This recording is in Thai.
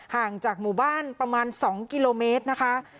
ห่างจากหมู่บ้านประมาณ๒กิโลเมตรนะคะ